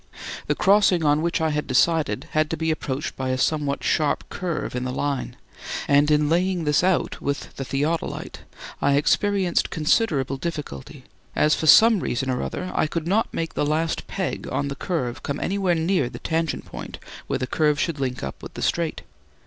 The crossing on which I had decided had to be approached by a somewhat sharp curve in the line, and in laying this out with the theodolite I experienced considerable difficulty, as for some reason or other I could not make the last peg on the curve come anywhere near the tangent point where the curve should link up with the straight.